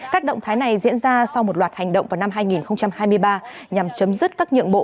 các động thái này diễn ra sau một loạt hành động vào năm hai nghìn hai mươi ba nhằm chấm dứt các nhượng bộ